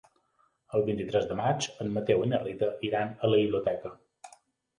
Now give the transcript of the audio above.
El vint-i-tres de maig en Mateu i na Rita iran a la biblioteca.